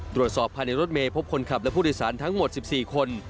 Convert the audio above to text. ตรวจสอบภายในรถเมย์พบคนขับและผู้โดยสารทั้งหมด๑๔คน